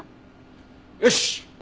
よし！